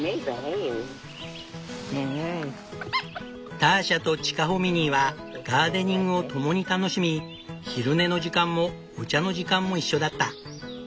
ターシャとチカホミニーはガーデニングを共に楽しみ昼寝の時間もお茶の時間も一緒だった。